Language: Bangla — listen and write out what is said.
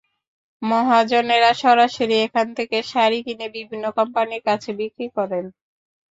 মহাজনেরা সরাসরি এখান থেকে শাড়ি কিনে বিভিন্ন কোম্পানির কাছে বিক্রি করেন।